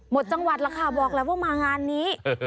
หมดจังหวัดแล้วค่ะบอกแล้วว่ามางานนี้